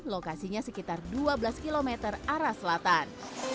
lokasinya sekitar dua belas km arah selatan